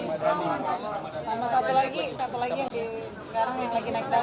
sama satu lagi satu lagi sekarang yang lagi naik daun